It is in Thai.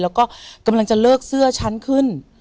แล้วก็กำลังจะเลิกเสื้อฉันขึ้น